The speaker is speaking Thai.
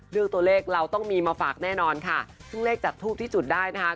เรื่องตัวเลขเราต้องมีมาฝากแน่นอนค่ะซึ่งเลขจากทูปที่จุดได้นะคะ